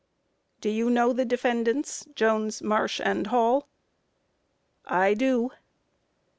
Q. Do you know the defendants, Jones, Marsh and Hall? A. I do.